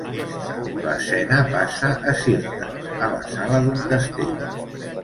L'escena passa a Cirta, a la sala d'un castell.